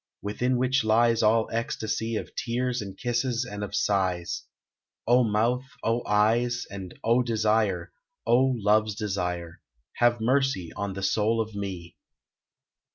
Within which lies all ecstasy Of tears and kisses and of sighs: O mouth, O eyes, and O desire, O love's desire, Have mercy on the soul of me!